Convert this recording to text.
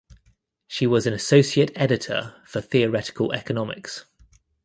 She was an Associate Editor for "Theoretical Economics".